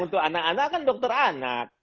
untuk anak anak kan dokter anak